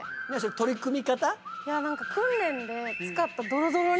取り組み方？